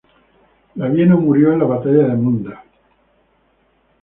Labieno murió en la batalla de Munda.